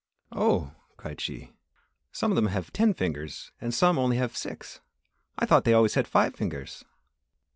"Oh," cried she, "some of them have ten fingers and some only have six. I thought they always had five fingers."